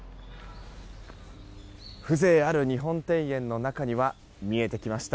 風情ある日本庭園の中には見えてきました。